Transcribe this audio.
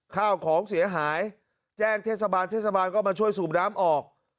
ข้าวของเสียหายแจ้งเทศบาลเทศบาลก็มาช่วยสูบน้ำออก